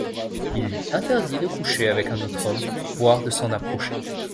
Il lui interdit de coucher avec un autre homme, voire de s'en approcher.